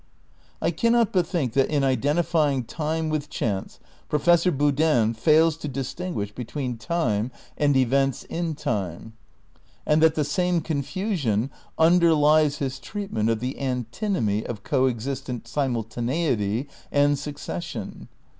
I cannot but think that in identifying time with chance Professor Boodin fails to distinguish between IV THE CRITICAL PREPARATIONS 155 time and events in time, and that the same confusion underlies his treatment of the antinomy of co existent simultaneity and succession.